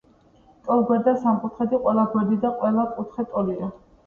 ტოლგვერდა სამკუთხედი-ყველა გვერდი და ყველა კუთხე ტოლია.